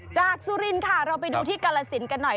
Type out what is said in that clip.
สุรินทร์ค่ะเราไปดูที่กาลสินกันหน่อย